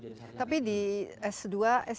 tapi di s dua s dua